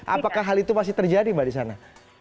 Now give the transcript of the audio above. apakah hal itu masih terjadi mbak di sana